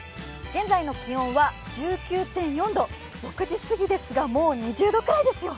現在の気温は１９．４度、６時過ぎですが、もう２０度くらいですよ。